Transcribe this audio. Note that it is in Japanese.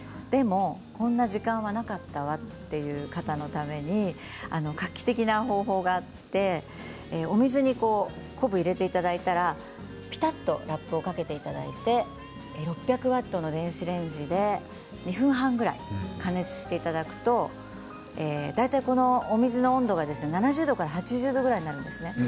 でもこんな時間がなかったわという方のために画期的な方法があってお水に昆布を入れていただいたらぴたっとラップをかけていただいて６００ワットの電子レンジで２分半ぐらい加熱していただくと大体この水の温度が７０度から８０度くらいになるんですね。